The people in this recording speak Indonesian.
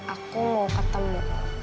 aku mau ketemu